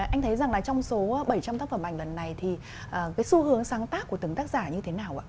anh thấy rằng là trong số bảy trăm linh tác phẩm ảnh lần này thì cái xu hướng sáng tác của từng tác giả như thế nào ạ